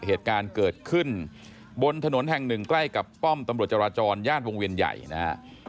เหตุการณ์เกิดขึ้นบนถนนแห่งหนึ่งใกล้กับป้อมตำรวจจราจรย่านวงเวียนใหญ่นะฮะ